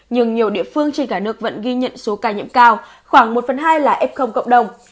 nhưng nhiều địa phương trên cả nước vẫn ghi nhận số ca nhiễm cao khoảng một phần hai là f cộng đồng